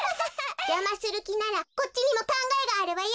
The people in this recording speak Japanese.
じゃまするきならこっちにもかんがえがあるわよ。